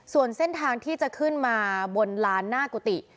ส่วนเส้นทางที่จะขึ้นมาบนลานหน้ากุฏิ